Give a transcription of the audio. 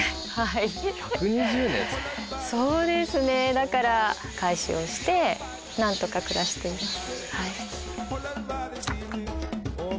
だから改修をしてなんとか暮らしています。